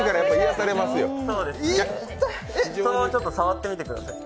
そのままちょっと触ってみてください。